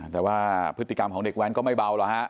แต่ว่าพฤติกรรมของเด็กแว้นก็ไม่เบาหรอกฮะ